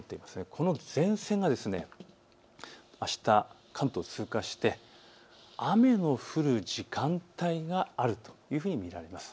この前線があした関東を通過して雨の降る時間帯があると見られます。